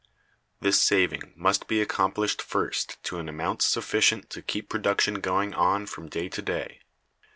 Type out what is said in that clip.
This saving must be accomplished first to an amount sufficient to keep production going on from day to day.